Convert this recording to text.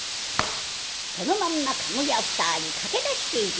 そのまんま駕籠屋２人駆け出してゆきました。